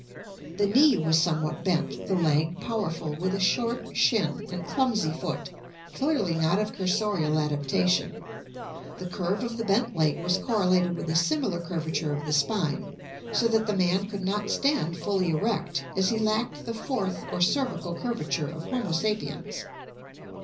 The knee was some what bent, the leg powerful, with a short shin and clumsy foot, clearly not of cursorial adaptation. The curve of the bent leg was correlated with a similar curvature of the spine, so that the man THE EVOLUTION OF MAN 681 could not stand fully erect, as he lacked the fourth or cervical curvature of Homo sapiens.